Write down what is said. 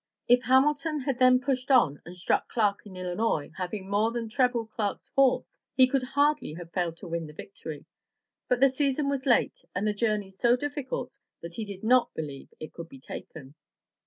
If Hamilton had then pushed on and struck Clark in Illinois, having more than treble Clark's force, he could hardly have failed to win the victory, but the season was late and the journey so difficult that he did not believe it could be taken.